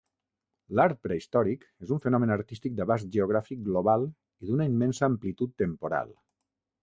L'art prehistòric és un fenomen artístic d'abast geogràfic global i d'una immensa amplitud temporal.